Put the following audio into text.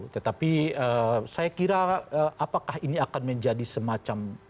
tetapi saya kira apakah ini akan menjadi semacam